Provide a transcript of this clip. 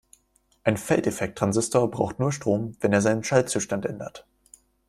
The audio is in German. Ein Feldeffekttransistor braucht nur Strom, wenn er seinen Schaltzustand ändert.